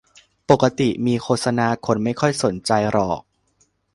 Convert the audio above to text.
ปกติมีโฆษณาคนไม่ค่อยสนใจหรอก